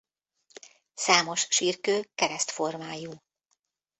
Számos sírkő kereszt formájú.